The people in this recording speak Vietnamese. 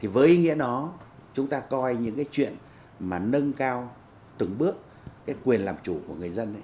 với ý nghĩa đó chúng ta coi những cái chuyện mà nâng cao từng bước cái quyền làm chủ của người dân